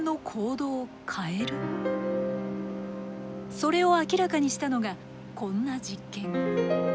それを明らかにしたのがこんな実験。